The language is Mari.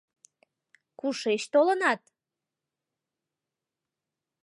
— Кушеч толынат?